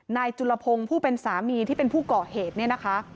นายจุลพงศ์ผู้เป็นสามีที่เป็นผู้ก่อเหตุเนี่ยนะคะ